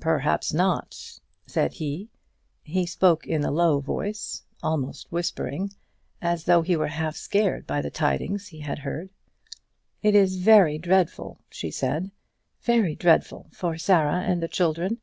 "Perhaps not," said he. He spoke in a low voice, almost whispering, as though he were half scared by the tidings he had heard. "It is very dreadful," she said; "very dreadful for Sarah and the children."